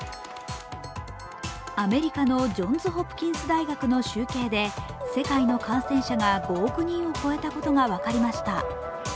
アメリカのジョンズ・ホプキンス大学の集計で世界の感染者が５億人を超えたことが分かりました。